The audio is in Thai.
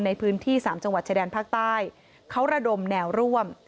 ในพื้นที่๓จังหวัดชายแดนภาคใต้เขาระดมแนวร่วม